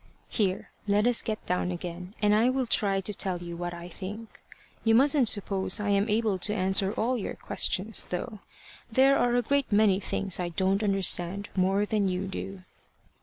"Here, let us get down again, and I will try to tell you what I think. You musn't suppose I am able to answer all your questions, though. There are a great many things I don't understand more than you do."